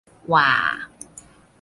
หว่า